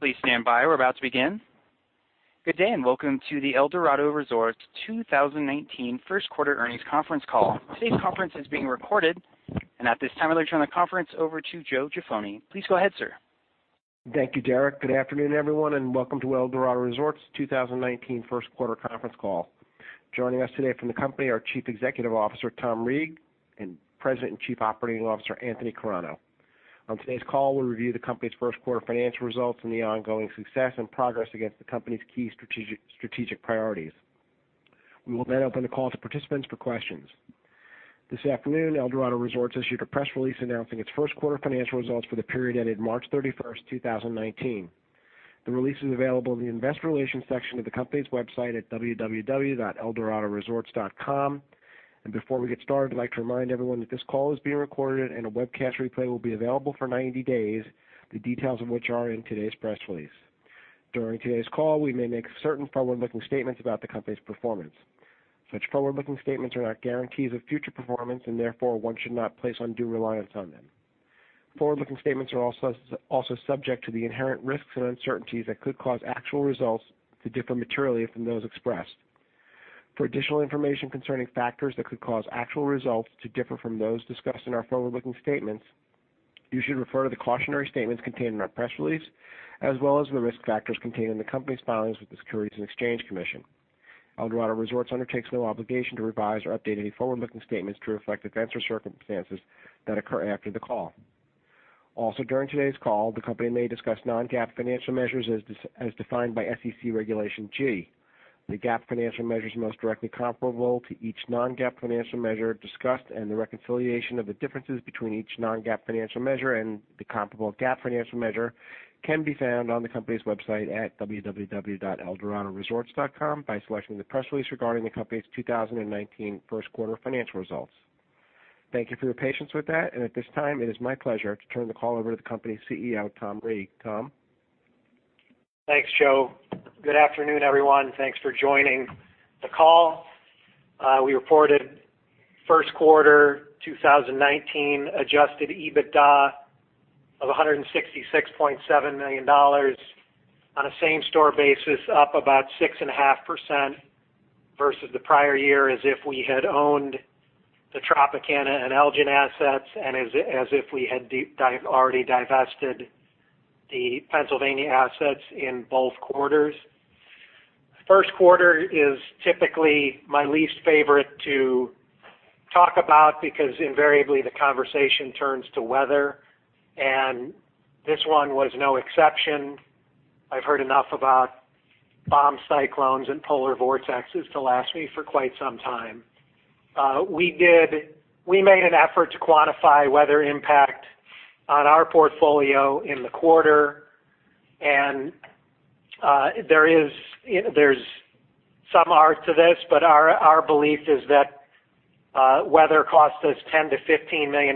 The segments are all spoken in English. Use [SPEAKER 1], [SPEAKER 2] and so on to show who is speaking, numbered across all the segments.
[SPEAKER 1] Please stand by. We're about to begin. Good day, and welcome to the Eldorado Resorts 2019 first quarter earnings conference call. Today's conference is being recorded. At this time, I'd like to turn the conference over to Joe Giummo. Please go ahead, sir.
[SPEAKER 2] Thank you, Derek. Good afternoon, everyone, and welcome to Eldorado Resorts' 2019 first quarter conference call. Joining us today from the company are Chief Executive Officer, Tom Reeg, and President and Chief Operating Officer, Anthony Carano. On today's call, we'll review the company's first quarter financial results and the ongoing success and progress against the company's key strategic priorities. We will then open the call to participants for questions. This afternoon, Eldorado Resorts issued a press release announcing its first quarter financial results for the period ended March 31st, 2019. The release is available in the investor relations section of the company's website at www.eldoradoresorts.com. Before we get started, I'd like to remind everyone that this call is being recorded and a webcast replay will be available for 90 days, the details of which are in today's press release. During today's call, we may make certain forward-looking statements about the company's performance. Such forward-looking statements are not guarantees of future performance, and therefore, one should not place undue reliance on them. Forward-looking statements are also subject to the inherent risks and uncertainties that could cause actual results to differ materially from those expressed. For additional information concerning factors that could cause actual results to differ from those discussed in our forward-looking statements, you should refer to the cautionary statements contained in our press release, as well as the risk factors contained in the company's filings with the Securities and Exchange Commission. Eldorado Resorts undertakes no obligation to revise or update any forward-looking statements to reflect events or circumstances that occur after the call. Also, during today's call, the company may discuss non-GAAP financial measures as defined by SEC Regulation G. The GAAP financial measures most directly comparable to each non-GAAP financial measure discussed and the reconciliation of the differences between each non-GAAP financial measure and the comparable GAAP financial measure can be found on the company's website at www.eldoradoresorts.com by selecting the press release regarding the company's 2019 first quarter financial results. Thank you for your patience with that. At this time, it is my pleasure to turn the call over to the company's CEO, Tom Reeg. Tom?
[SPEAKER 3] Thanks, Joe. Good afternoon, everyone. Thanks for joining the call. We reported first quarter 2019 adjusted EBITDA of $166.7 million on a same-store basis, up about 6.5% versus the prior year, as if we had owned the Tropicana and Elgin assets and as if we had already divested the Pennsylvania assets in both quarters. First quarter is typically my least favorite to talk about because invariably the conversation turns to weather, and this one was no exception. I've heard enough about bomb cyclones and polar vortexes to last me for quite some time. We made an effort to quantify weather impact on our portfolio in the quarter. There's some art to this, but our belief is that weather cost us $10 million-$15 million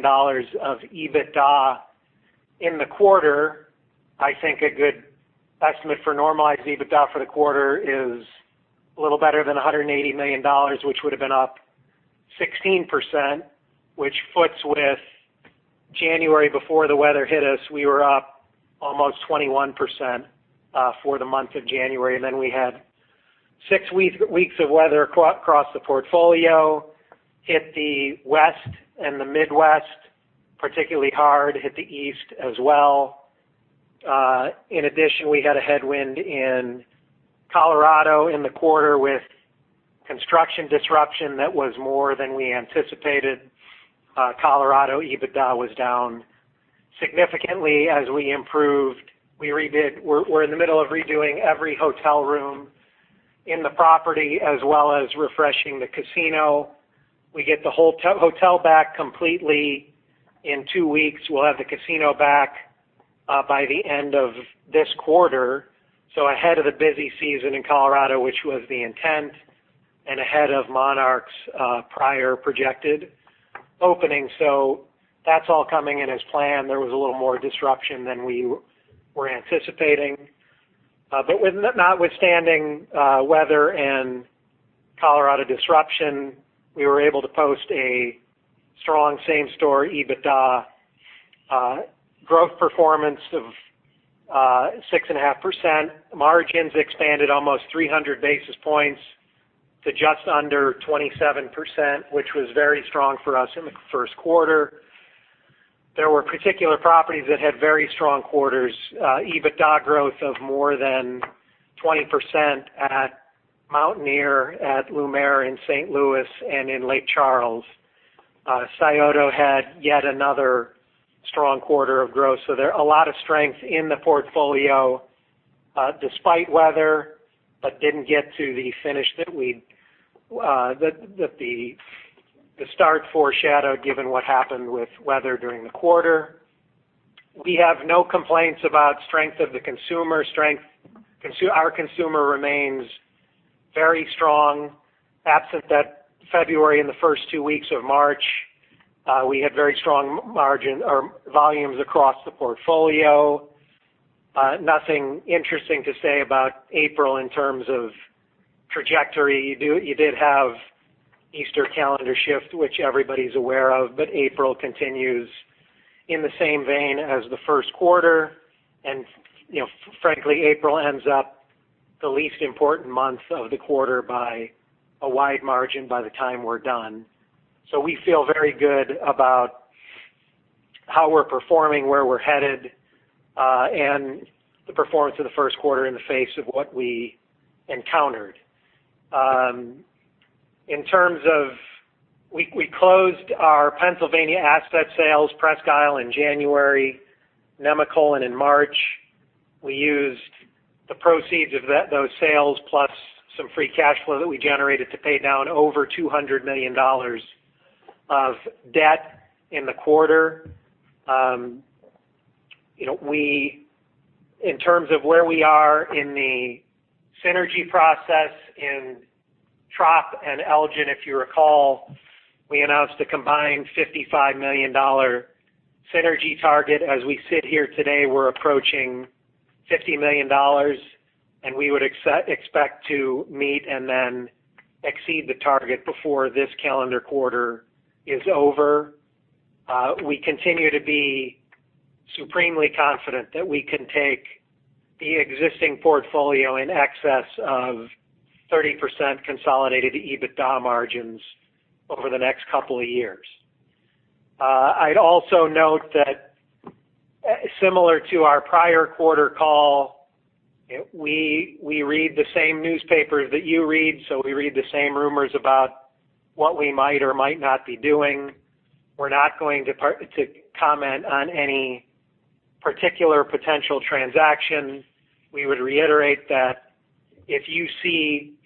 [SPEAKER 3] of EBITDA in the quarter. I think a good estimate for normalized EBITDA for the quarter is a little better than $180 million, which would've been up 16%, which foots with January before the weather hit us. We were up almost 21% for the month of January. Then we had 6 weeks of weather across the portfolio, hit the West and the Midwest particularly hard, hit the East as well. In addition, we had a headwind in Colorado in the quarter with construction disruption that was more than we anticipated. Colorado EBITDA was down significantly as we improved. We're in the middle of redoing every hotel room in the property, as well as refreshing the casino. We get the whole hotel back completely in 2 weeks. We'll have the casino back by the end of this quarter, ahead of the busy season in Colorado, which was the intent, and ahead of Monarch's prior projected opening. That's all coming in as planned. There was a little more disruption than we were anticipating. Notwithstanding weather and Colorado disruption, we were able to post a strong same-store EBITDA growth performance of 6.5%. Margins expanded almost 300 basis points to just under 27%, which was very strong for us in the first quarter. There were particular properties that had very strong quarters. EBITDA growth of more than 20% at Mountaineer, at Lumiere in St. Louis, and in Lake Charles. Scioto had yet another strong quarter of growth. A lot of strength in the portfolio despite weather, didn't get to the finish that the start foreshadowed given what happened with weather during the quarter. We have no complaints about strength of the consumer. Our consumer remains very strong. Absent that February and the first 2 weeks of March, we had very strong volumes across the portfolio. Nothing interesting to say about April in terms of trajectory. You did have Easter calendar shift, which everybody's aware of. April continues in the same vein as the first quarter. Frankly, April ends up the least important month of the quarter by a wide margin by the time we're done. We feel very good about how we're performing, where we're headed, and the performance of the first quarter in the face of what we encountered. We closed our Pennsylvania asset sales, Presque Isle in January, Nemacolin in March. We used the proceeds of those sales plus some free cash flow that we generated to pay down over $200 million of debt in the quarter. In terms of where we are in the synergy process in Trop and Elgin, if you recall, we announced a combined $55 million synergy target. As we sit here today, we're approaching $50 million, and we would expect to meet and then exceed the target before this calendar quarter is over. We continue to be supremely confident that we can take the existing portfolio in excess of 30% consolidated EBITDA margins over the next couple of years. I'd also note that similar to our prior quarter call, we read the same newspapers that you read. We read the same rumors about what we might or might not be doing. We're not going to comment on any particular potential transaction. We would reiterate that if you see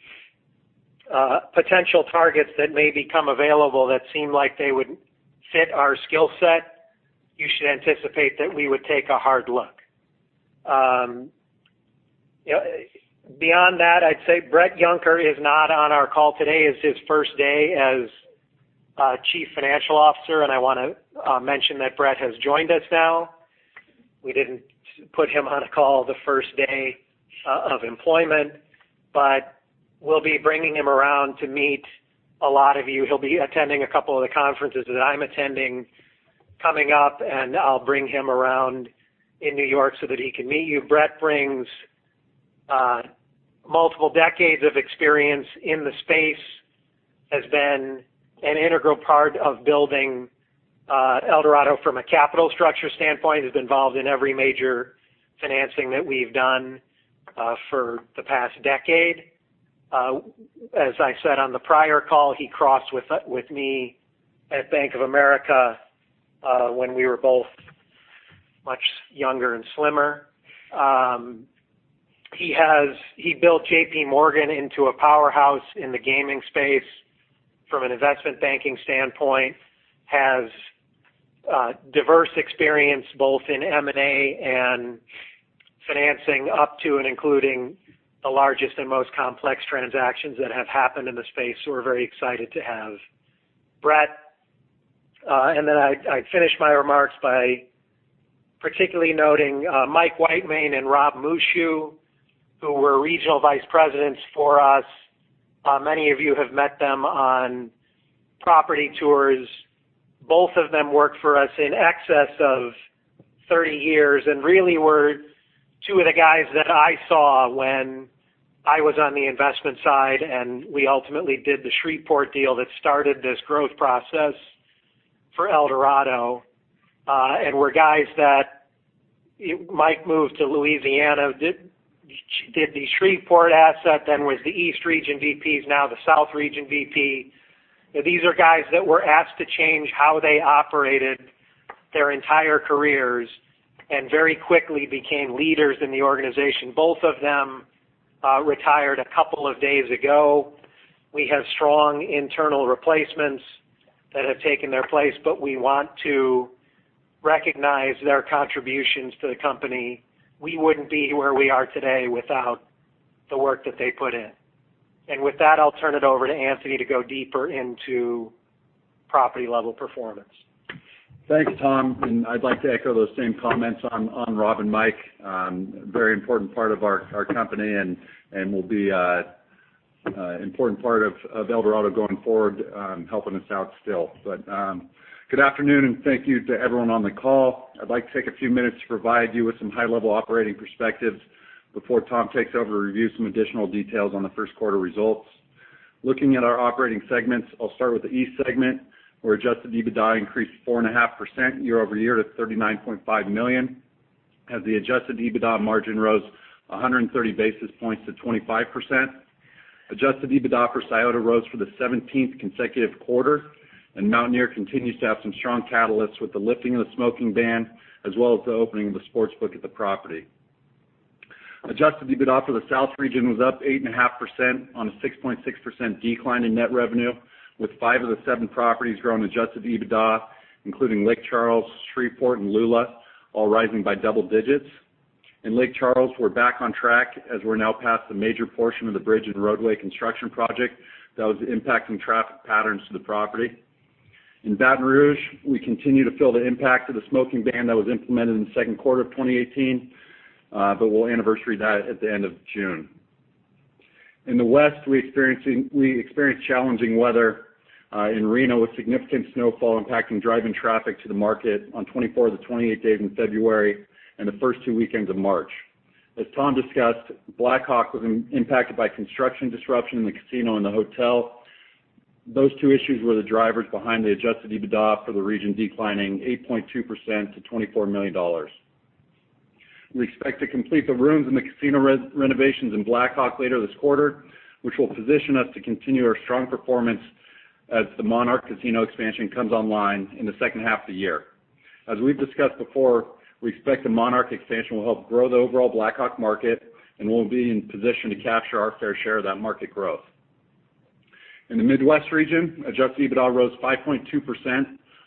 [SPEAKER 3] potential targets that may become available that seem like they would fit our skill set, you should anticipate that we would take a hard look. Beyond that, I'd say Bret Yunker is not on our call today. It's his first day as Chief Financial Officer, and I want to mention that Bret has joined us now. We didn't put him on a call the first day of employment, but we'll be bringing him around to meet a lot of you. He'll be attending a couple of the conferences that I'm attending coming up, and I'll bring him around in New York so that he can meet you. Bret brings multiple decades of experience in the space, has been an integral part of building Eldorado from a capital structure standpoint. He's involved in every major financing that we've done for the past decade. As I said on the prior call, he crossed with me at Bank of America when we were both much younger and slimmer. He built J.P. Morgan into a powerhouse in the gaming space from an investment banking standpoint. Has diverse experience, both in M&A and financing up to and including the largest and most complex transactions that have happened in the space. We're very excited to have Bret. I'd finish my remarks by particularly noting Mike Whiteman and Rob Mouchou, who were regional vice presidents for us. Many of you have met them on property tours. Both of them worked for us in excess of 30 years and really were two of the guys that I saw when I was on the investment side, and we ultimately did the Shreveport deal that started this growth process for Eldorado, and were guys that Mike moved to Louisiana, did the Shreveport asset, then was the East Region VP, is now the South Region VP. These are guys that were asked to change how they operated their entire careers and very quickly became leaders in the organization. Both of them retired a couple of days ago. We have strong internal replacements that have taken their place, but we want to recognize their contributions to the company. We wouldn't be where we are today without the work that they put in. With that, I'll turn it over to Anthony to go deeper into property-level performance.
[SPEAKER 4] Thanks, Tom. I'd like to echo those same comments on Rob and Mike. Very important part of our company and will be an important part of Eldorado going forward, helping us out still. Good afternoon, and thank you to everyone on the call. I'd like to take a few minutes to provide you with some high-level operating perspectives before Tom takes over to review some additional details on the first quarter results. Looking at our operating segments, I'll start with the East segment, where adjusted EBITDA increased 4.5% year-over-year to $39.5 million, as the adjusted EBITDA margin rose 130 basis points to 25%. Adjusted EBITDA for Scioto rose for the 17th consecutive quarter, and Mountaineer continues to have some strong catalysts with the lifting of the smoking ban, as well as the opening of the sportsbook at the property. Adjusted EBITDA for the South region was up 8.5% on a 6.6% decline in net revenue, with five of the seven properties growing adjusted EBITDA, including Lake Charles, Shreveport, and Lula, all rising by double digits. In Lake Charles, we're back on track as we're now past the major portion of the bridge and roadway construction project that was impacting traffic patterns to the property. In Baton Rouge, we continue to feel the impact of the smoking ban that was implemented in the second quarter of 2018, but we'll anniversary that at the end of June. In the West, we experienced challenging weather in Reno, with significant snowfall impacting drive-in traffic to the market on 24 of the 28 days in February and the first two weekends of March. As Tom discussed, Black Hawk was impacted by construction disruption in the casino and the hotel. Those two issues were the drivers behind the adjusted EBITDA for the region declining 8.2% to $24 million. We expect to complete the rooms and the casino renovations in Black Hawk later this quarter, which will position us to continue our strong performance as the Monarch Casino expansion comes online in the second half of the year. As we've discussed before, we expect the Monarch expansion will help grow the overall Black Hawk market and we'll be in position to capture our fair share of that market growth. In the Midwest region, adjusted EBITDA rose 5.2%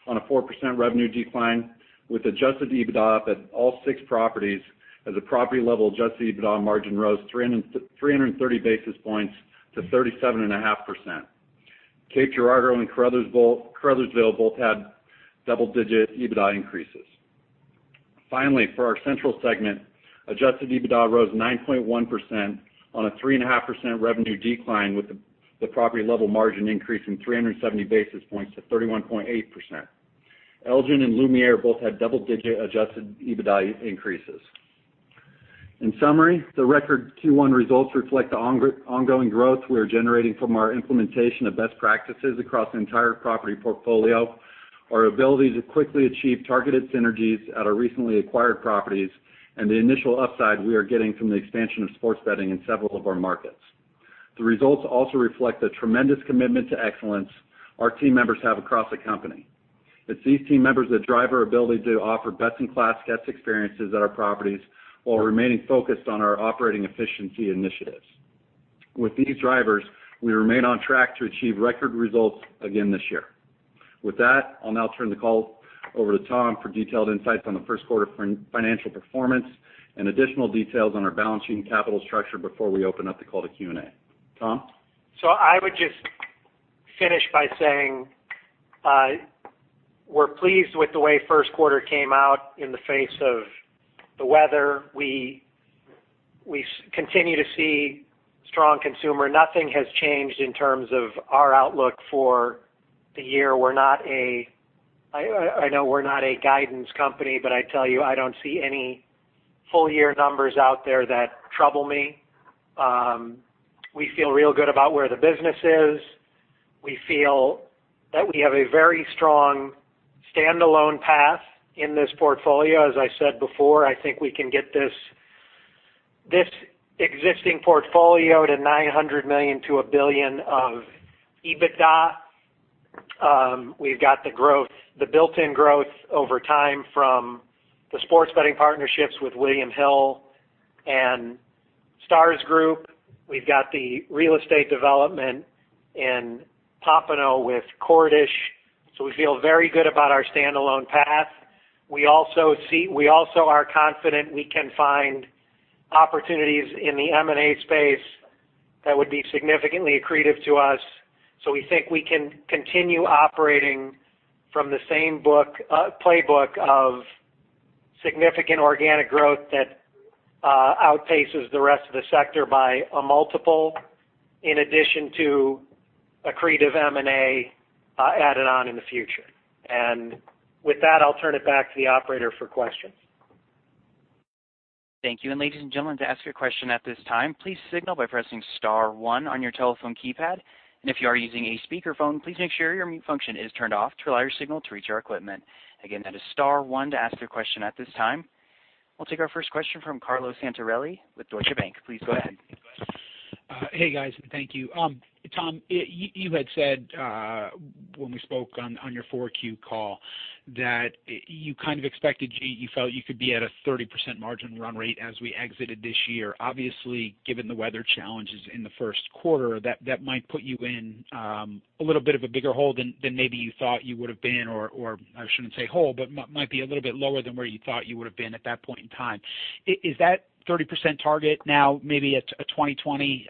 [SPEAKER 4] on a 4% revenue decline, with adjusted EBITDA up at all six properties. At the property level, adjusted EBITDA margin rose 330 basis points to 37.5%. Cape Girardeau and Caruthersville both had double-digit EBITDA increases. Finally, for our central segment, adjusted EBITDA rose 9.1% on a 3.5% revenue decline, with the property level margin increase in 370 basis points to 31.8%. Elgin and Lumiere both had double-digit adjusted EBITDA increases. In summary, the record Q1 results reflect the ongoing growth we are generating from our implementation of best practices across the entire property portfolio, our ability to quickly achieve targeted synergies at our recently acquired properties, and the initial upside we are getting from the expansion of sports betting in several of our markets. The results also reflect the tremendous commitment to excellence our team members have across the company. It's these team members that drive our ability to offer best-in-class guest experiences at our properties while remaining focused on our operating efficiency initiatives. With these drivers, we remain on track to achieve record results again this year. With that, I'll now turn the call over to Tom for detailed insights on the first quarter financial performance and additional details on our balance sheet and capital structure before we open up the call to Q&A. Tom?
[SPEAKER 3] I would just finish by saying we're pleased with the way first quarter came out in the face of the weather. We continue to see strong consumer. Nothing has changed in terms of our outlook for the year. I know we're not a guidance company, but I tell you, I don't see any full-year numbers out there that trouble me. We feel real good about where the business is. We feel that we have a very strong standalone path in this portfolio. As I said before, I think we can get this existing portfolio to $900 million-$1 billion of EBITDA. We've got the built-in growth over time from the sports betting partnerships with William Hill and The Stars Group. We've got the real estate development in Pompano with Cordish. We feel very good about our standalone path. We also are confident we can find opportunities in the M&A space that would be significantly accretive to us. We think we can continue operating from the same playbook of significant organic growth that outpaces the rest of the sector by a multiple, in addition to accretive M&A added on in the future. With that, I'll turn it back to the operator for questions.
[SPEAKER 1] Thank you. Ladies and gentlemen, to ask your question at this time, please signal by pressing *1 on your telephone keypad. If you are using a speakerphone, please make sure your mute function is turned off to allow your signal to reach our equipment. Again, that is star one to ask your question at this time. We'll take our first question from Carlo Santarelli with Deutsche Bank. Please go ahead.
[SPEAKER 5] Hey, guys. Thank you. Tom, you had said when we spoke on your Q4 call that you kind of expected you felt you could be at a 30% margin run rate as we exited this year. Obviously, given the weather challenges in the first quarter, that might put you in a little bit of a bigger hole than maybe you thought you would have been or, I shouldn't say hole, but might be a little bit lower than where you thought you would have been at that point in time. Is that 30% target now maybe a 2020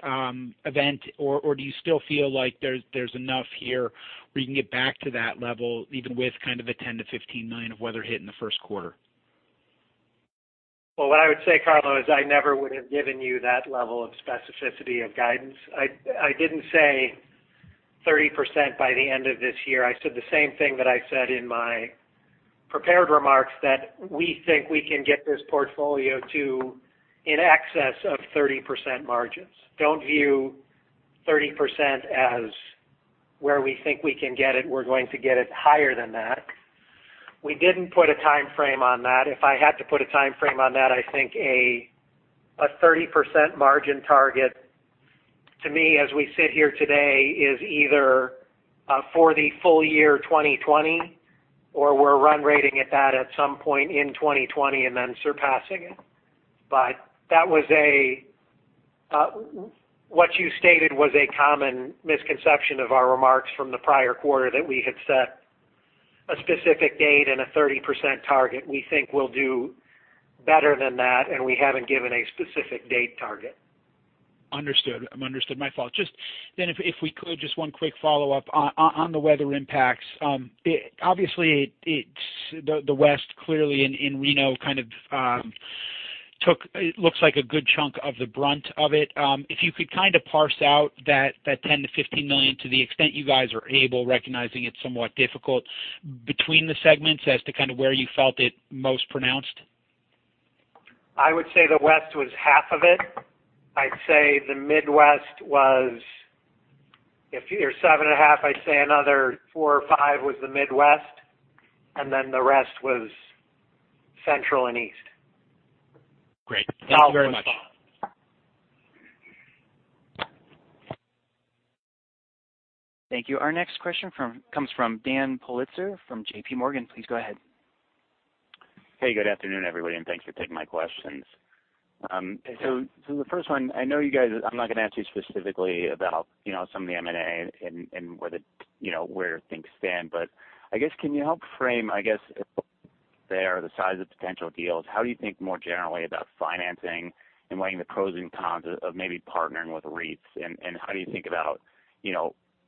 [SPEAKER 5] event, or do you still feel like there's enough here where you can get back to that level, even with kind of a $10 million-$15 million of weather hit in the first quarter?
[SPEAKER 3] Well, what I would say, Carlo, is I never would have given you that level of specificity of guidance. I didn't say 30% by the end of this year. I said the same thing that I said in my prepared remarks, that we think we can get this portfolio to in excess of 30% margins. Don't view 30% as where we think we can get it. We're going to get it higher than that. We didn't put a time frame on that. If I had to put a time frame on that, I think a 30% margin target to me as we sit here today is either for the full year 2020 or we're run-rating at that at some point in 2020 and then surpassing it. What you stated was a common misconception of our remarks from the prior quarter, that we had set a specific date and a 30% target. We think we'll do better than that, and we haven't given a specific date target.
[SPEAKER 5] Understood. My fault. If we could, just one quick follow-up on the weather impacts. Obviously, the West, clearly in Reno, looks like a good chunk of the brunt of it. If you could parse out that $10 million-$15 million to the extent you guys are able, recognizing it's somewhat difficult, between the segments as to where you felt it most pronounced?
[SPEAKER 3] I would say the West was half of it. I'd say the Midwest was, if you're seven and a half, I'd say another four or five was the Midwest, and then the rest was Central and East.
[SPEAKER 5] Great. Thank you very much.
[SPEAKER 3] That was all.
[SPEAKER 1] Thank you. Our next question comes from Daniel Politzer from JPMorgan. Please go ahead.
[SPEAKER 6] Hey, good afternoon, everybody, and thanks for taking my questions.
[SPEAKER 3] Yeah.
[SPEAKER 6] The first one, I'm not going to ask you specifically about some of the M&A and where things stand, but I guess, can you help frame, I guess, there, the size of potential deals? How do you think more generally about financing and weighing the pros and cons of maybe partnering with REITs, and how do you think about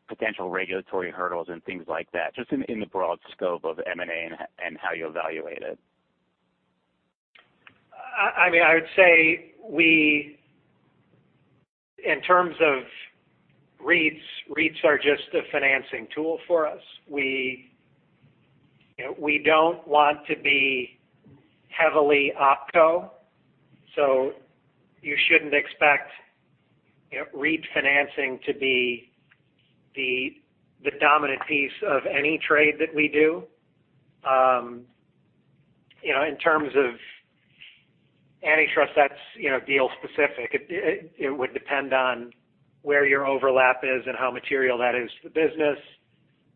[SPEAKER 6] potential regulatory hurdles and things like that, just in the broad scope of M&A and how you evaluate it?
[SPEAKER 3] I would say, in terms of REITs are just a financing tool for us. We don't want to be heavily OpCo, so you shouldn't expect REIT financing to be the dominant piece of any trade that we do. In terms of antitrust, that's deal specific. It would depend on where your overlap is and how material that is to the business,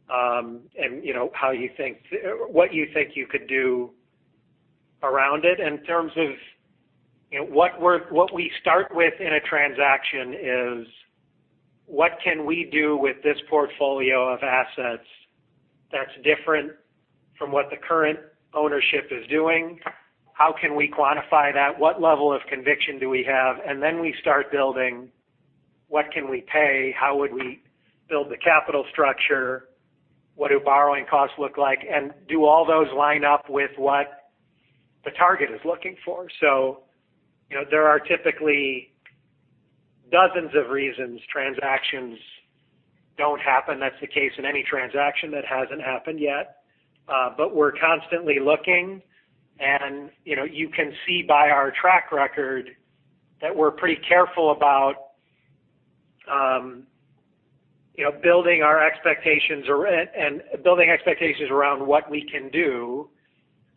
[SPEAKER 3] and what you think you could do around it. In terms of what we start with in a transaction is, what can we do with this portfolio of assets that's different from what the current ownership is doing? How can we quantify that? What level of conviction do we have? Then we start building, what can we pay? How would we build the capital structure? What do borrowing costs look like? Do all those line up with what the target is looking for? There are typically dozens of reasons transactions don't happen. That's the case in any transaction that hasn't happened yet. We're constantly looking, and you can see by our track record that we're pretty careful about building our expectations, and building expectations around what we can do,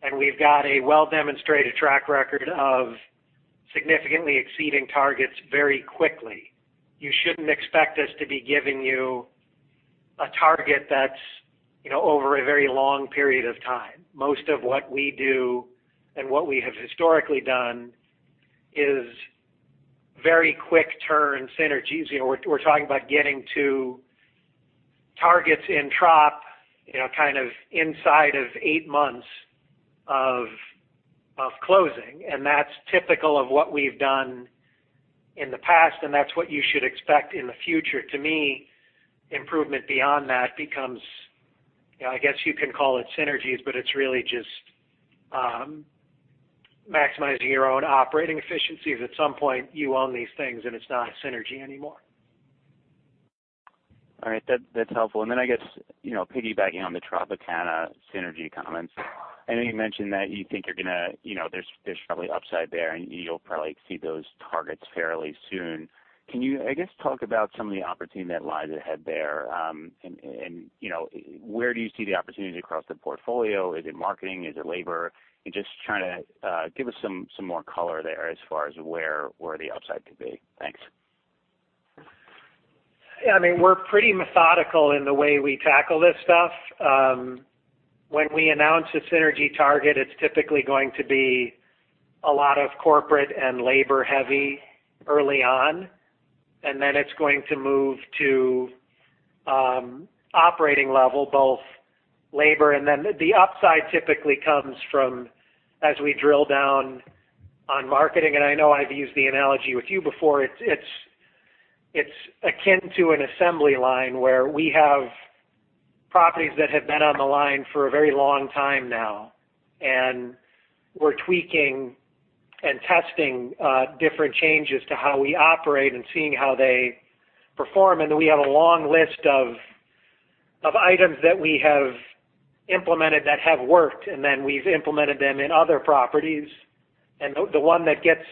[SPEAKER 3] and we've got a well-demonstrated track record of significantly exceeding targets very quickly. You shouldn't expect us to be giving you a target that's over a very long period of time. Most of what we do and what we have historically done is very quick turn synergies. We're talking about getting to targets in Tropicana inside of eight months of closing, and that's typical of what we've done in the past, and that's what you should expect in the future. To me, improvement beyond that becomes, I guess, you can call it synergies, but it's really just maximizing your own operating efficiencies. At some point, you own these things, and it's not a synergy anymore.
[SPEAKER 6] All right. That's helpful. Then I guess, piggybacking on the Tropicana synergy comments, I know you mentioned that you think there's probably upside there, and you'll probably see those targets fairly soon. Can you, I guess, talk about some of the opportunity that lies ahead there? Where do you see the opportunities across the portfolio? Is it marketing? Is it labor? Just trying to give us some more color there as far as where the upside could be. Thanks.
[SPEAKER 3] Yeah. We're pretty methodical in the way we tackle this stuff. When we announce a synergy target, it's typically going to be a lot of corporate and labor heavy early on, and then it's going to move to operating level, both labor, and then the upside typically comes from as we drill down on marketing. I know I've used the analogy with you before. It's akin to an assembly line where we have properties that have been on the line for a very long time now, and we're tweaking and testing different changes to how we operate and seeing how they perform. Then we have a long list of items that we have implemented that have worked, and then we've implemented them in other properties. The one that gets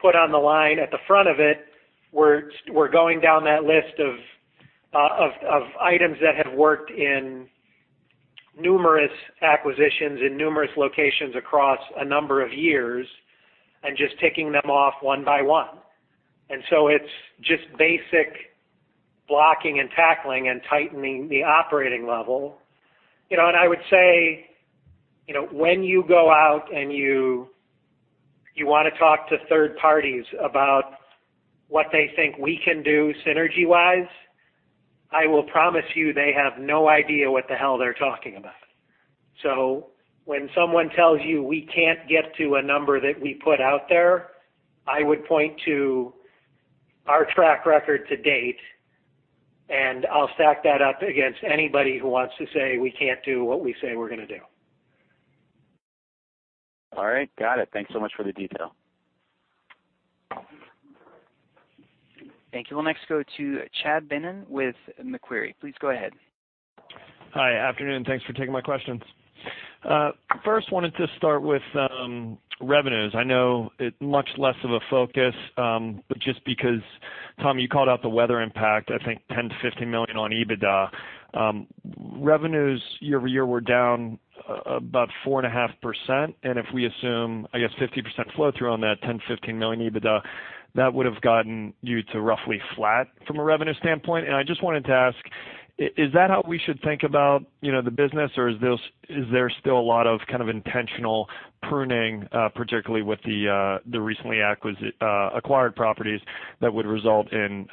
[SPEAKER 3] put on the line at the front of it, we're going down that list of items that have worked in numerous acquisitions in numerous locations across a number of years and just ticking them off one by one. It's just basic blocking and tackling and tightening the operating level. I would say, when you go out and you want to talk to third parties about what they think we can do synergy wise, I will promise you they have no idea what the hell they're talking about. When someone tells you we can't get to a number that we put out there, I would point to our track record to date, and I'll stack that up against anybody who wants to say we can't do what we say we're going to do.
[SPEAKER 6] All right. Got it. Thanks so much for the detail.
[SPEAKER 1] Thank you. We'll next go to Chad Beynon with Macquarie. Please go ahead.
[SPEAKER 7] Hi. Afternoon. Thanks for taking my questions. First, wanted to start with revenues. I know it much less of a focus, but just because, Tom, you called out the weather impact, I think, $10 million-$15 million on EBITDA. Revenues year-over-year were down about 4.5%. If we assume, I guess, 50% flow through on that $10 million-$15 million EBITDA, that would have gotten you to roughly flat from a revenue standpoint. I just wanted to ask, is that how we should think about the business, or is there still a lot of kind of intentional pruning, particularly with the recently acquired properties that would result in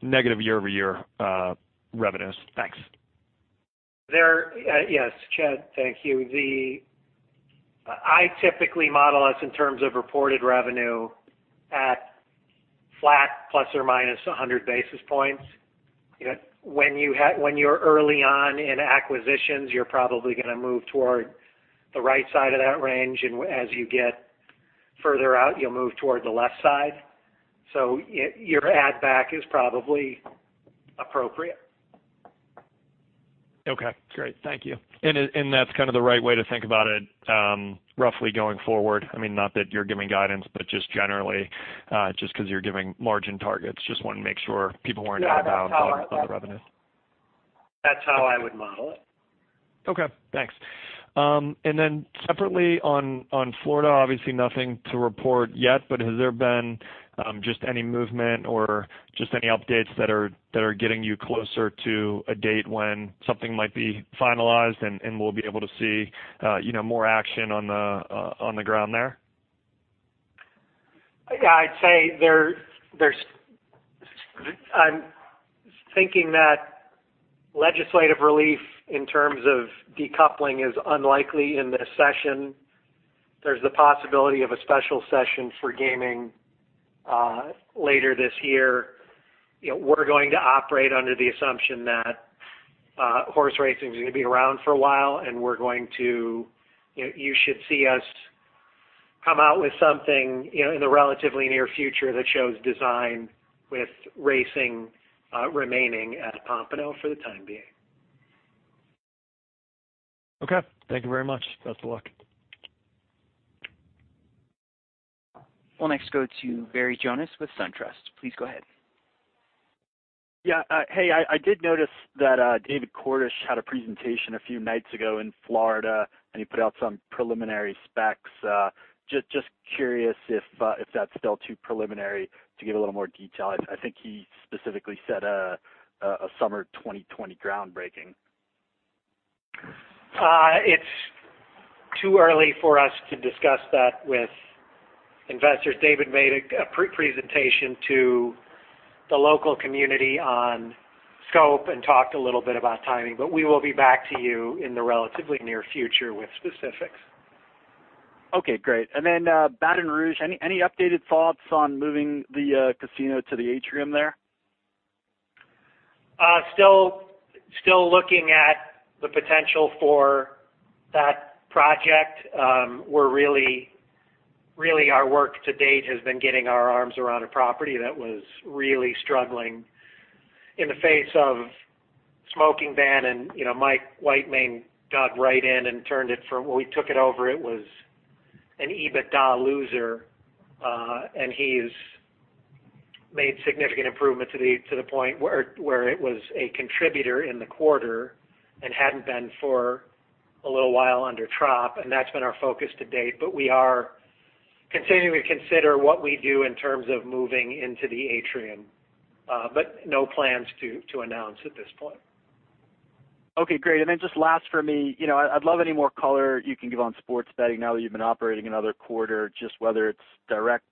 [SPEAKER 7] negative year-over-year revenues? Thanks.
[SPEAKER 3] Yes, Chad. Thank you. I typically model us in terms of reported revenue at flat plus or minus 100 basis points. When you're early on in acquisitions, you're probably going to move toward the right side of that range, and as you get further out, you'll move toward the left side. Your add back is probably appropriate.
[SPEAKER 7] Okay, great. Thank you. That's kind of the right way to think about it, roughly going forward. I mean, not that you're giving guidance, but just generally, just because you're giving margin targets. Just wanted to make sure people weren't-
[SPEAKER 3] Yeah. That's how I-
[SPEAKER 7] on the revenue.
[SPEAKER 3] That's how I would model it.
[SPEAKER 7] Okay, thanks. Separately on Florida, obviously nothing to report yet, but has there been just any movement or just any updates that are getting you closer to a date when something might be finalized, and we'll be able to see more action on the ground there?
[SPEAKER 3] Yeah. I'm thinking that legislative relief in terms of decoupling is unlikely in this session. There's the possibility of a special session for gaming later this year. We're going to operate under the assumption that horse racing is going to be around for a while, and you should see us come out with something in the relatively near future that shows design with racing remaining at Pompano for the time being.
[SPEAKER 7] Okay. Thank you very much. Best of luck.
[SPEAKER 1] We'll next go to Barry Jonas with SunTrust. Please go ahead.
[SPEAKER 8] Yeah. Hey, I did notice that David Cordish had a presentation a few nights ago in Florida, and he put out some preliminary specs. Just curious if that's still too preliminary to give a little more detail. I think he specifically said a summer 2020 groundbreaking.
[SPEAKER 3] It's too early for us to discuss that with investors. David made a presentation to the local community on scope and talked a little bit about timing. We will be back to you in the relatively near future with specifics.
[SPEAKER 8] Okay, great. Baton Rouge, any updated thoughts on moving the casino to the atrium there?
[SPEAKER 3] Still looking at the potential for that project. Really our work to date has been getting our arms around a property that was really struggling in the face of smoking ban. Mike Whiteman dug right in and turned it from When we took it over, it was an EBITDA loser. He's made significant improvement to the point where it was a contributor in the quarter and hadn't been for a little while under Tropicana. That's been our focus to date. We are continuing to consider what we do in terms of moving into the atrium. No plans to announce at this point.
[SPEAKER 8] Okay, great. Just last for me, I'd love any more color you can give on sports betting now that you've been operating another quarter, just whether it's direct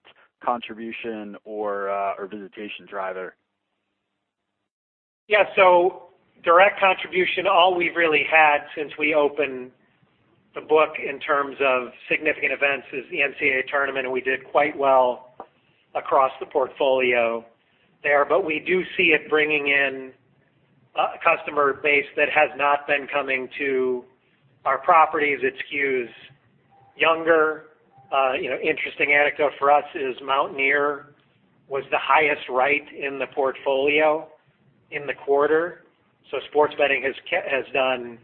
[SPEAKER 8] contribution or visitation driver.
[SPEAKER 3] Yeah. Direct contribution, all we've really had since we opened the book in terms of significant events is the NCAA tournament, and we did quite well across the portfolio there. We do see it bringing in a customer base that has not been coming to our properties. It skews younger. Interesting anecdote for us is Mountaineer was the highest rate in the portfolio in the quarter. Sports betting has done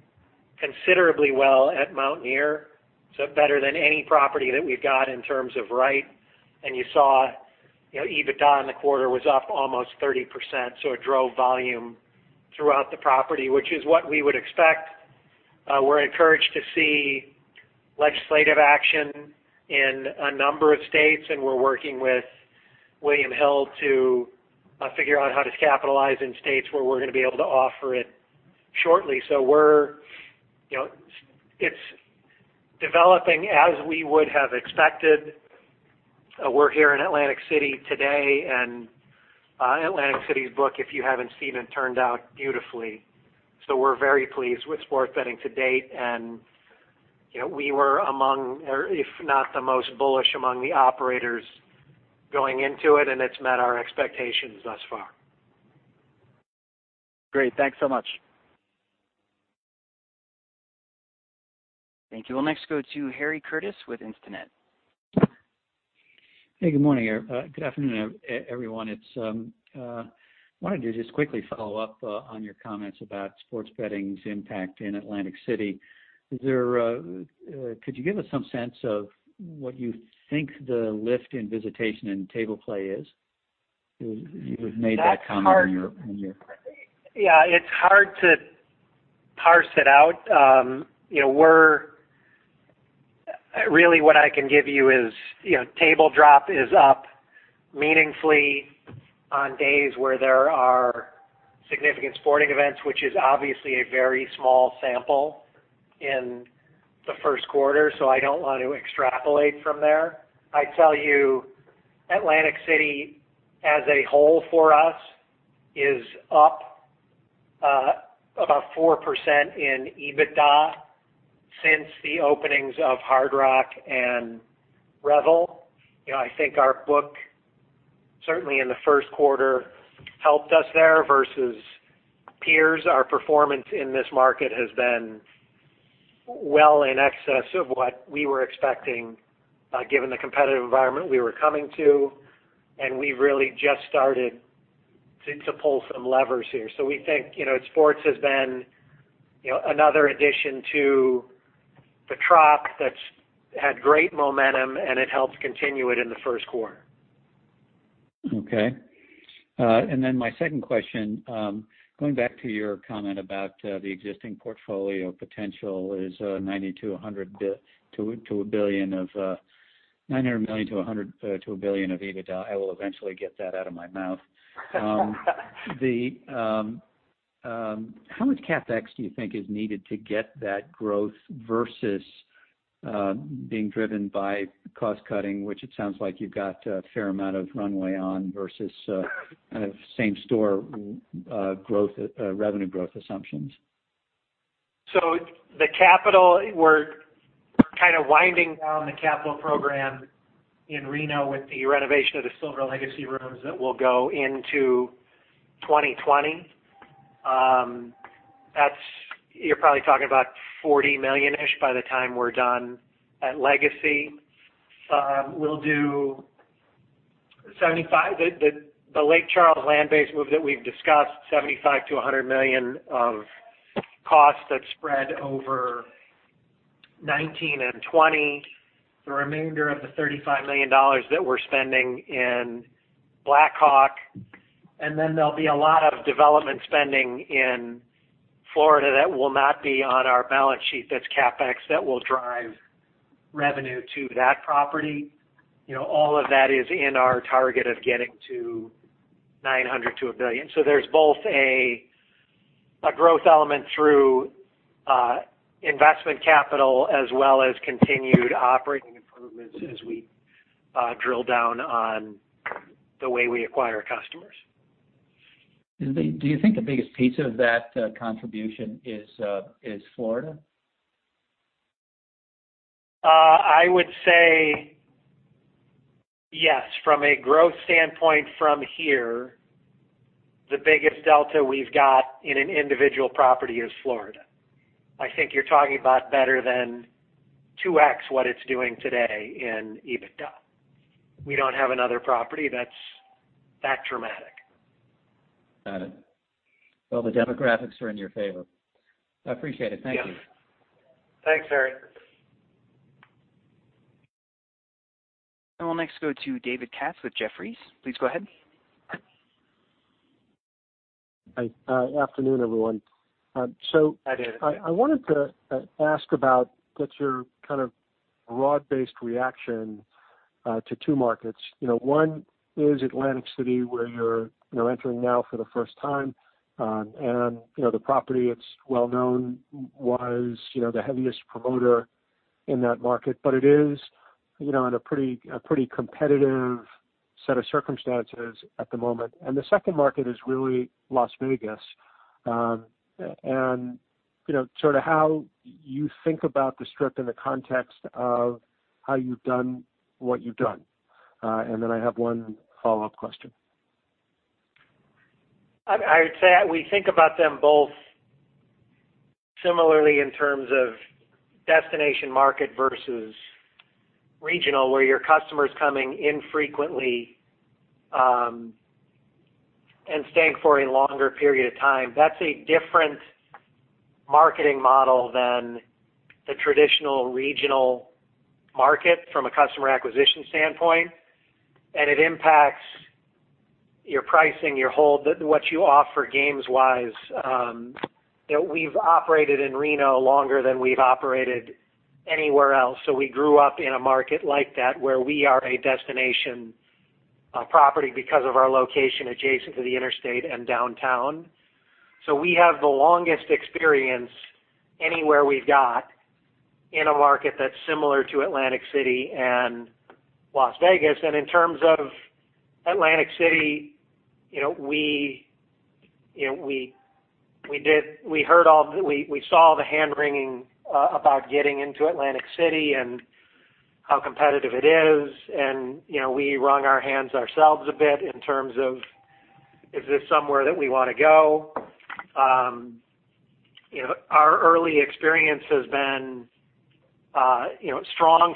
[SPEAKER 3] considerably well at Mountaineer. Better than any property that we've got in terms of rate. You saw EBITDA in the quarter was up almost 30%, so it drove volume throughout the property, which is what we would expect. We're encouraged to see legislative action in a number of states, and we're working with William Hill to figure out how to capitalize in states where we're going to be able to offer it shortly. It's developing as we would have expected. We're here in Atlantic City today, and Atlantic City's book, if you haven't seen it, turned out beautifully. We're very pleased with sports betting to date, and we were among, if not the most bullish among the operators going into it, and it's met our expectations thus far.
[SPEAKER 8] Great. Thanks so much.
[SPEAKER 1] Thank you. We'll next go to Harry Curtis with Instinet.
[SPEAKER 9] Hey, good morning. Good afternoon, everyone. I wanted to just quickly follow up on your comments about sports betting's impact in Atlantic City. Could you give us some sense of what you think the lift in visitation and table play is? You've made that comment-
[SPEAKER 3] That's hard
[SPEAKER 9] in your-
[SPEAKER 3] It's hard to parse it out. What I can give you is table drop is up meaningfully on days where there are significant sporting events, which is obviously a very small sample in the first quarter. I don't want to extrapolate from there. I tell you, Atlantic City as a whole for us is up about 4% in EBITDA since the openings of Hard Rock and Revel. I think our book, certainly in the first quarter, helped us there versus peers. Our performance in this market has been well in excess of what we were expecting, given the competitive environment we were coming to, and we've really just started to pull some levers here. We think sports has been another addition to the trough that's had great momentum, and it helped continue it in the first quarter.
[SPEAKER 9] Okay. My second question, going back to your comment about the existing portfolio potential is $900 million to $1 billion of EBITDA. I will eventually get that out of my mouth. How much CapEx do you think is needed to get that growth versus being driven by cost cutting, which it sounds like you've got a fair amount of runway on, versus kind of same store revenue growth assumptions?
[SPEAKER 3] The capital, we're kind of winding down the capital program in Reno with the renovation of the Silver Legacy rooms that will go into 2020. You're probably talking about $40 million-ish by the time we're done at Legacy. The Lake Charles land base move that we've discussed, $75 million to $100 million of costs that spread over 2019 and 2020. The remainder of the $35 million that we're spending in Black Hawk, there'll be a lot of development spending in Florida that will not be on our balance sheet, that's CapEx, that will drive revenue to that property. All of that is in our target of getting to $900 million to $1 billion. There's both a growth element through investment capital as well as continued operating improvements as we drill down on the way we acquire customers.
[SPEAKER 9] Do you think the biggest piece of that contribution is Florida?
[SPEAKER 3] I would say yes. From a growth standpoint from here, the biggest delta we've got in an individual property is Florida. I think you're talking about better than 2x what it's doing today in EBITDA. We don't have another property that's that dramatic.
[SPEAKER 9] Well, the demographics are in your favor. I appreciate it. Thank you.
[SPEAKER 3] Yeah. Thanks, Harry.
[SPEAKER 1] We'll next go to David Katz with Jefferies. Please go ahead.
[SPEAKER 10] Hi. Afternoon, everyone.
[SPEAKER 3] Hi, David.
[SPEAKER 10] I wanted to ask about what's your kind of broad-based reaction to two markets. One is Atlantic City, where you're entering now for the first time. The property, it's well known, was the heaviest promoter in that market. It is in a pretty competitive set of circumstances at the moment. The second market is really Las Vegas, and sort of how you think about the Strip in the context of how you've done what you've done. I have one follow-up question.
[SPEAKER 3] I would say we think about them both similarly in terms of destination market versus regional, where your customer's coming infrequently and staying for a longer period of time. That's a different marketing model than the traditional regional market from a customer acquisition standpoint, and it impacts your pricing, what you offer games-wise. We've operated in Reno longer than we've operated anywhere else, we grew up in a market like that where we are a destination property because of our location adjacent to the interstate and downtown. We have the longest experience anywhere we've got in a market that's similar to Atlantic City and Las Vegas. In terms of Atlantic City, we saw the hand-wringing about getting into Atlantic City and how competitive it is, and we wrung our hands ourselves a bit in terms of, is this somewhere that we want to go? Our early experience has been strong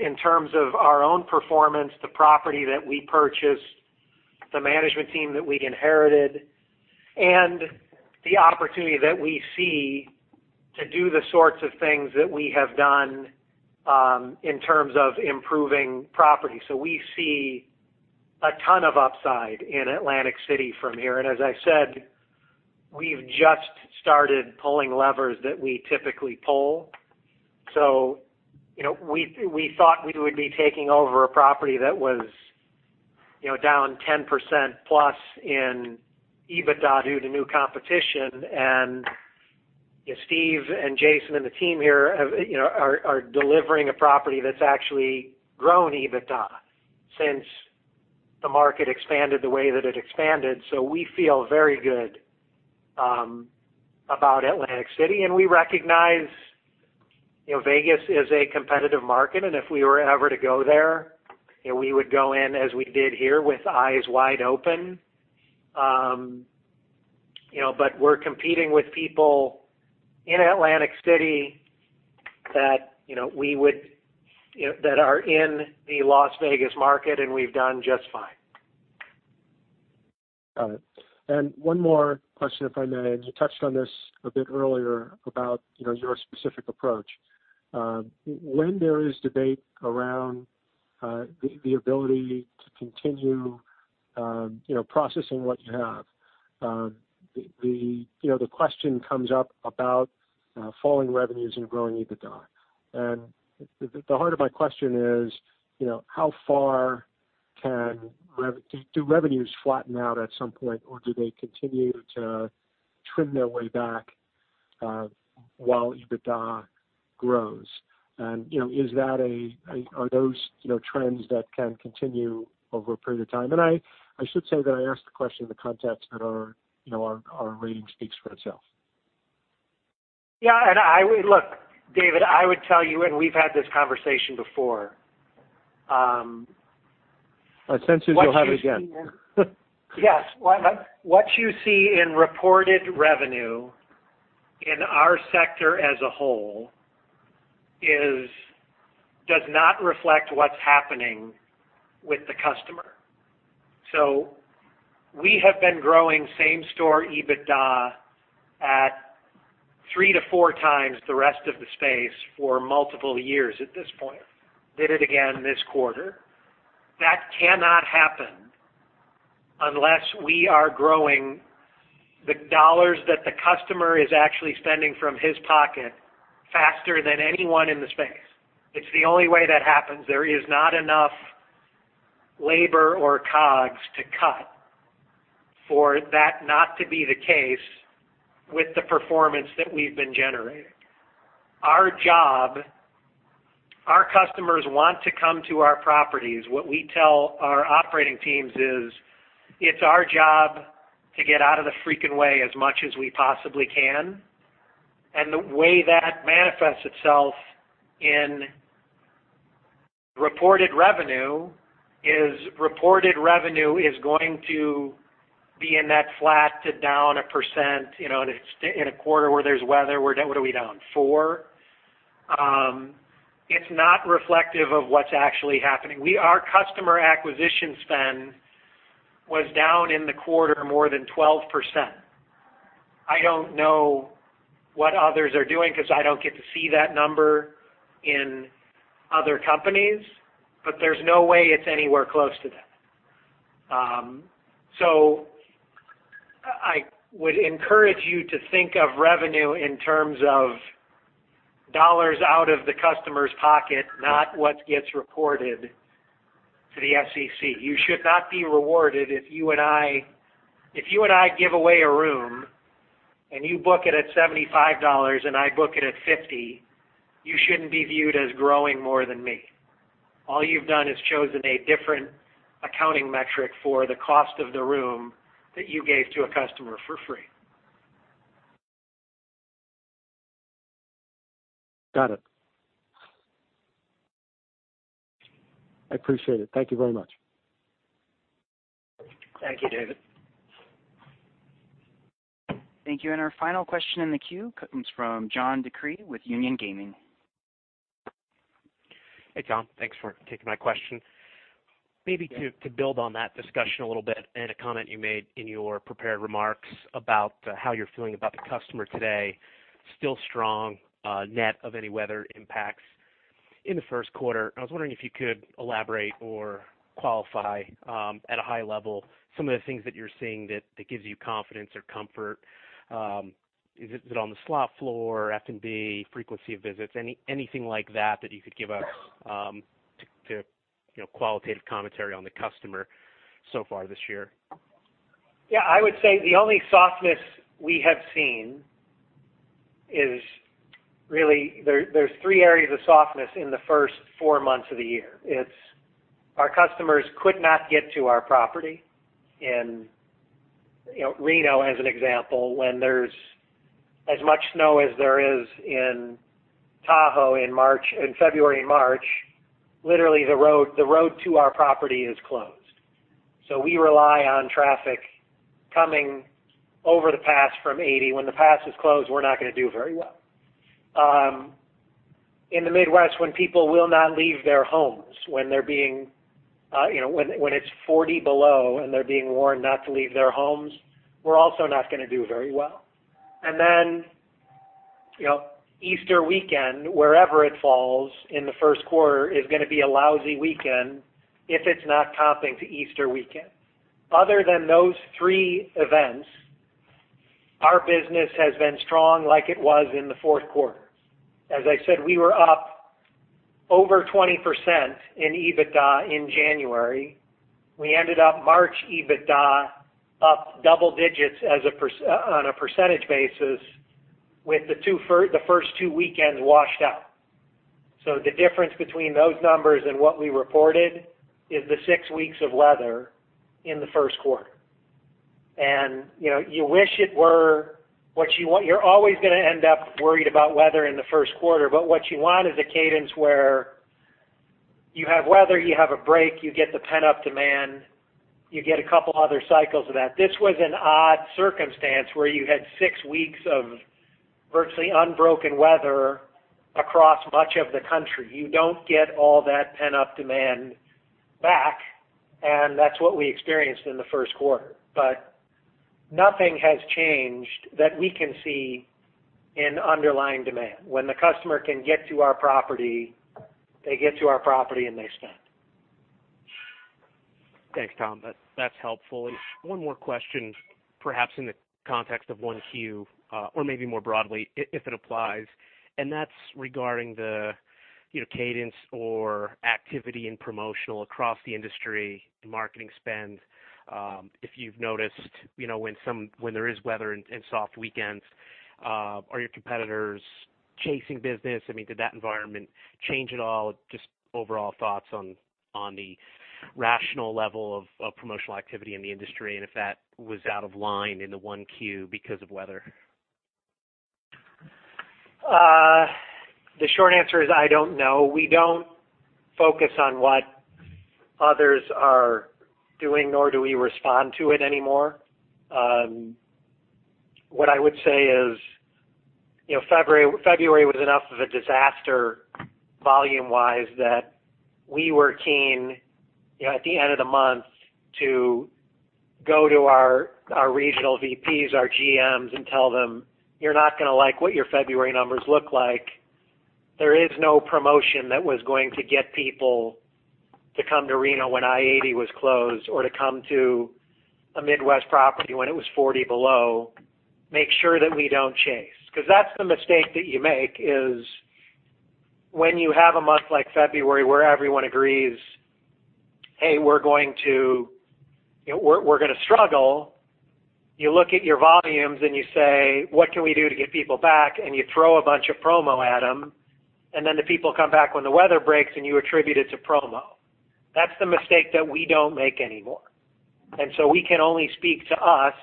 [SPEAKER 3] in terms of our own performance, the property that we purchased, the management team that we inherited, and the opportunity that we see to do the sorts of things that we have done in terms of improving property. We see a ton of upside in Atlantic City from here. As I said, we've just started pulling levers that we typically pull. We thought we would be taking over a property that was down 10% plus in EBITDA due to new competition, and Steve and Jason and the team here are delivering a property that's actually grown EBITDA since the market expanded the way that it expanded. We feel very good about Atlantic City, and we recognize Vegas is a competitive market, and if we were ever to go there, we would go in as we did here with eyes wide open. We're competing with people in Atlantic City that are in the Las Vegas market, and we've done just fine.
[SPEAKER 10] Got it. One more question, if I may. You touched on this a bit earlier about your specific approach. When there is debate around the ability to continue processing what you have, the question comes up about falling revenues and growing EBITDA. The heart of my question is, do revenues flatten out at some point, or do they continue to trim their way back while EBITDA grows? Are those trends that can continue over a period of time? I should say that I ask the question in the context that our rating speaks for itself.
[SPEAKER 3] Yeah, and look, David, I would tell you, and we've had this conversation before.
[SPEAKER 10] I sense that you'll have it again.
[SPEAKER 3] Yes. What you see in reported revenue in our sector as a whole does not reflect what's happening with the customer. We have been growing same-store EBITDA at three to four times the rest of the space for multiple years at this point. Did it again this quarter. That cannot happen unless we are growing the dollars that the customer is actually spending from his pocket faster than anyone in the space. It's the only way that happens. There is not enough labor or COGS to cut for that not to be the case with the performance that we've been generating. Our customers want to come to our properties. What we tell our operating teams is, "It's our job to get out of the freaking way as much as we possibly can." The way that manifests itself in reported revenue is reported revenue is going to be in that flat to down 1% in a quarter where there's weather. What are we down, four? It's not reflective of what's actually happening. Our customer acquisition spend was down in the quarter more than 12%. I don't know what others are doing because I don't get to see that number in other companies, but there's no way it's anywhere close to that. I would encourage you to think of revenue in terms of dollars out of the customer's pocket, not what gets reported to the SEC. You should not be rewarded if you and I give away a room, and you book it at $75 and I book it at $50, you shouldn't be viewed as growing more than me. All you've done is chosen a different accounting metric for the cost of the room that you gave to a customer for free.
[SPEAKER 10] Got it. I appreciate it. Thank you very much.
[SPEAKER 3] Thank you, David.
[SPEAKER 1] Thank you. Our final question in the queue comes from John DeCree with Union Gaming.
[SPEAKER 11] Hey, John. Thanks for taking my question.
[SPEAKER 3] Yeah.
[SPEAKER 11] Maybe to build on that discussion a little bit and a comment you made in your prepared remarks about how you're feeling about the customer today, still strong net of any weather impacts in the first quarter. I was wondering if you could elaborate or qualify, at a high level, some of the things that you're seeing that gives you confidence or comfort? Is it on the slot floor, F&B, frequency of visits? Anything like that you could give us to qualitative commentary on the customer so far this year?
[SPEAKER 3] Yeah, I would say the only softness we have seen is really, there's three areas of softness in the first four months of the year. It's our customers could not get to our property in Reno, as an example, when there's as much snow as there is in Tahoe in February and March, literally the road to our property is closed. We rely on traffic coming over the pass from 80. When the pass is closed, we're not going to do very well. In the Midwest, when people will not leave their homes, when it's 40 below and they're being warned not to leave their homes, we're also not going to do very well. Easter weekend, wherever it falls in the first quarter, is going to be a lousy weekend if it's not comping to Easter weekend. Other than those three events, our business has been strong like it was in the fourth quarter. As I said, we were up over 20% in EBITDA in January. We ended up March EBITDA up double digits on a percentage basis with the first two weekends washed out. The difference between those numbers and what we reported is the six weeks of weather in the first quarter. You're always going to end up worried about weather in the first quarter, but what you want is a cadence where you have weather, you have a break, you get the pent-up demand, you get a couple other cycles of that. This was an odd circumstance where you had six weeks of virtually unbroken weather across much of the country. You don't get all that pent-up demand back, and that's what we experienced in the first quarter. Nothing has changed that we can see in underlying demand. When the customer can get to our property, they get to our property and they spend.
[SPEAKER 11] Thanks, Tom. That's helpful. One more question, perhaps in the context of 1Q, or maybe more broadly, if it applies, and that's regarding the cadence or activity in promotional across the industry and marketing spend. If you've noticed, when there is weather and soft weekends, are your competitors chasing business? I mean, did that environment change at all? Just overall thoughts on the rational level of promotional activity in the industry, and if that was out of line in the 1Q because of weather.
[SPEAKER 3] The short answer is, I don't know. We don't focus on what others are doing, nor do we respond to it anymore. What I would say is, February was enough of a disaster volume-wise that we were keen, at the end of the month, to go to our regional VPs, our GMs, and tell them, "You're not going to like what your February numbers look like." There is no promotion that was going to get people to come to Reno when I-80 was closed or to come to a Midwest property when it was 40 below. Make sure that we don't chase. That's the mistake that you make is when you have a month like February where everyone agrees, "Hey, we're going to struggle." You look at your volumes and you say, "What can we do to get people back?" You throw a bunch of promo at them, then the people come back when the weather breaks and you attribute it to promo. That's the mistake that we don't make anymore. We can only speak to us.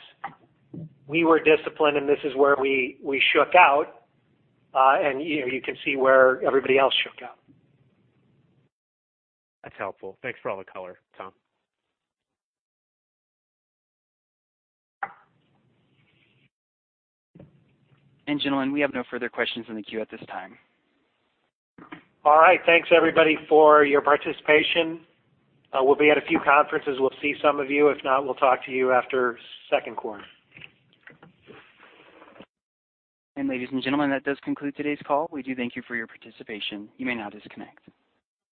[SPEAKER 3] We were disciplined and this is where we shook out. You can see where everybody else shook out.
[SPEAKER 11] That's helpful. Thanks for all the color, Tom.
[SPEAKER 1] gentlemen, we have no further questions in the queue at this time.
[SPEAKER 3] All right. Thanks everybody for your participation. We'll be at a few conferences. We'll see some of you. If not, we'll talk to you after second quarter.
[SPEAKER 1] ladies and gentlemen, that does conclude today's call. We do thank you for your participation. You may now disconnect.